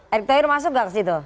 erick thayer masuk gak ke situ